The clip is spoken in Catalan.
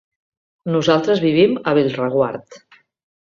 Nosaltres vivim a Bellreguard.